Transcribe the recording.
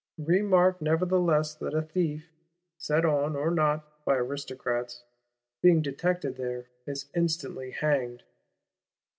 Remark nevertheless that "a thief" (set on or not by Aristocrats), being detected there, is "instantly hanged."